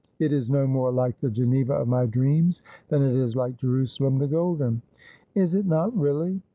' It is no more like the Geneva of my dreams than it is like J erusalem the Golden.' 'Is it not really?'